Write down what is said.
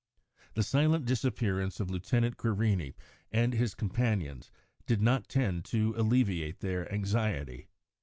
The silent disappearance of Lieutenant Querini and his companions did not tend to alleviate their anxiety.